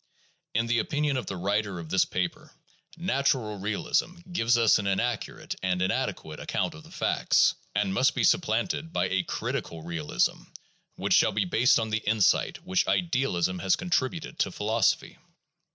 In the opinion of the writer of this paper "natural" realism gives us an inaccurate and inadequate account of the facts, and must be supplanted by a critical realism which shall be based on the insight which idealism has contributed to philosophy.